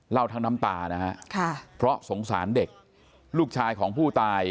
ทั้งน้ำตานะฮะเพราะสงสารเด็กลูกชายของผู้ตาย